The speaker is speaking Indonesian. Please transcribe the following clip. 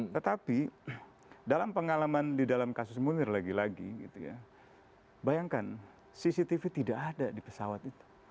tetapi dalam pengalaman di dalam kasus munir lagi lagi gitu ya bayangkan cctv tidak ada di pesawat itu